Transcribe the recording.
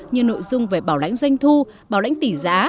như nội dung về bảo lãnh doanh thu bảo lãnh tỷ giá